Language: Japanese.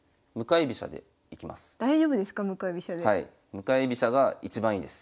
向かい飛車が一番いいです。